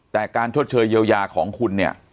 แต่การชดเชยเยียวยาของคุณเนี่ย